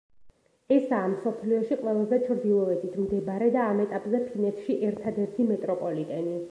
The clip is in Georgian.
ესაა მსოფლიოში ყველაზე ჩრდილოეთით მდებარე და ამ ეტაპზე ფინეთში ერთადერთი მეტროპოლიტენი.